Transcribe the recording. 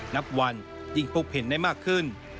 นับวันยิ่งพบเห็นได้มากขึ้น